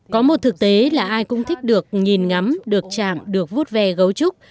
có một thực tế là ai cũng thích được nhìn ngắm được chạm được vút ve gấu trúc